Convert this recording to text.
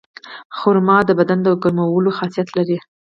خرما د بدن د ګرمولو خاصیت لري.